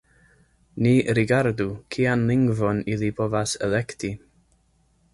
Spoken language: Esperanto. Ni rigardu, kian lingvon ili povas elekti.